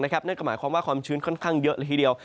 นั่นก็หมายความว่าความชื้นค่อนข้างเยอะละทีเดียว